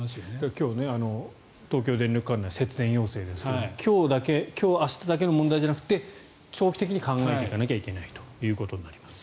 今日、東京電力管内節電要請ですが今日だけ今日明日だけの問題じゃなくて長期的に考えていかなきゃいけないということになります。